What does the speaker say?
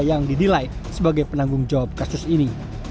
yang didilai sebagai penanggung jawab kasus ini